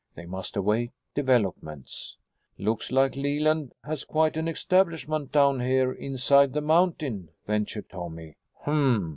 They must await developments. "Looks like Leland has quite an establishment down here inside the mountain," ventured Tommy. "Hm!"